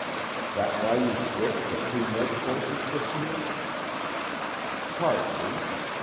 "That why you switched to premed courses this year?" "Partly.